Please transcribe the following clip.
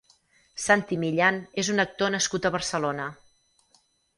Santi Millán és un actor nascut a Barcelona.